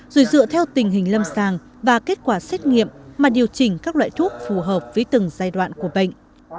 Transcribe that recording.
rồi dựa theo tình hình lâm sàng và kết quả xét nghiệm mà điều chỉnh các loại thuốc phù hợp với từng giai đoạn của bệnh